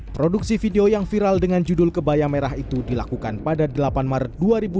produksi video yang viral dengan judul kebaya merah itu dilakukan pada delapan maret dua ribu dua puluh